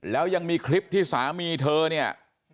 แล้วยังมีคลิปที่สามีเธอเนี่ย